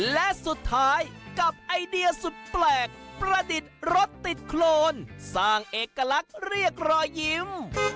และสุดท้ายกับไอเดียสุดแปลกประดิษฐ์รถติดโครนสร้างเอกลักษณ์เรียกรอยยิ้ม